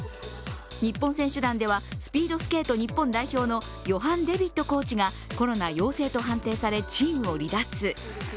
日本選手団ではスピードスケート日本代表のヨハン・デビットコーチがコロナ陽性と判定されチームを離脱。